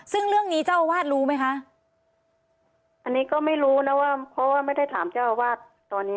ซึ่งเรื่องนี้เจ้าอาวาสรู้ไหมคะอันนี้ก็ไม่รู้นะว่าเพราะว่าไม่ได้ถามเจ้าอาวาสตอนนี้